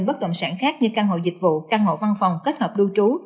bất động sản khác như căn hộ dịch vụ căn hộ văn phòng kết hợp lưu trú